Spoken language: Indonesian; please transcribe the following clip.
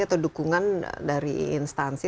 atau dukungan dari instansi